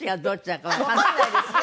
わかんないですね！